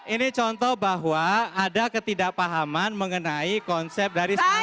ini contoh bahwa ada ketidakpahaman mengenai konsep dari sungai